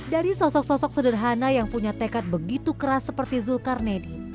dari sosok sosok sederhana yang punya tekad begitu keras seperti zulkarnedi